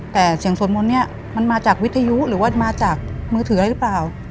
แต่เสียงสวดมนต์เนี่ยมันมาจากวิทยุหรือว่ามาจากมือถืออะไรหรือเปล่า